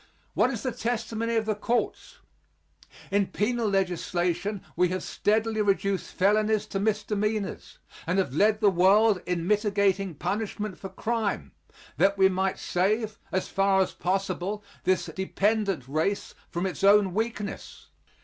What is the testimony of the courts? In penal legislation we have steadily reduced felonies to misdemeanors, and have led the world in mitigating punishment for crime, that we might save, as far as possible, this dependent race from its own weakness.